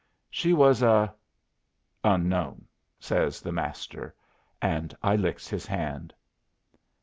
"She was a unknown," says the Master. And I licks his hand.